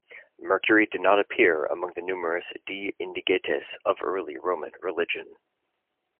Mercury did not appear among the numinous "di indigetes" of early Roman religion.